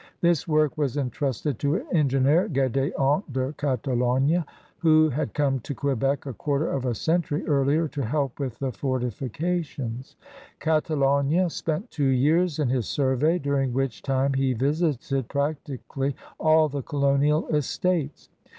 This work was entrusted to an engineer, Gedton de Catalogue, who had come to Quebec a quarter of a century earlier to help with the fortifications. Catalogue spent two years in his survey, diiring which time he visited practically all the colonial estates.